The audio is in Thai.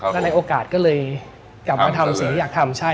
ก็ได้โอกาสก็เลยกลับมาทำสิทธิ์ที่อยากทำ